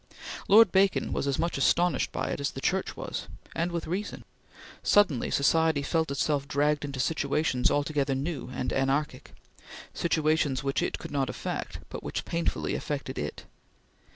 Lord Bacon was as much astonished by it as the Church was, and with reason. Suddenly society felt itself dragged into situations altogether new and anarchic situations which it could not affect, but which painfully affected it.